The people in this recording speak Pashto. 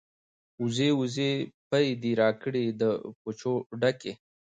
ـ وزې وزې پۍ دې راکړې د پچو ډکې.